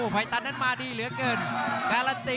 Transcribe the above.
รับทราบบรรดาศักดิ์